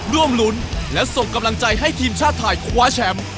ร่วมรุ้นและส่งกำลังใจให้ทีมชาติไทยคว้าแชมป์